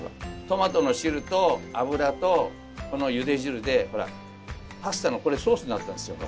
トマトの汁と油とこのゆで汁でほらパスタのソースになったんですよ。